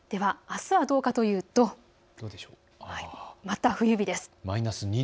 あすはどうかというとまた冬日です。